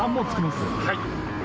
はい。